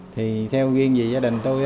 thì theo duyên dì gia đình tôi